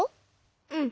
うん。